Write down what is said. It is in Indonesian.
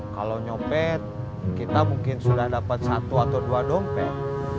kalau nyopet kita mungkin sudah dapat satu atau dua dompet